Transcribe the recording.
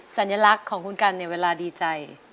สัญลักษณ์ของคุณกันเนี่ยเวลาดีใจ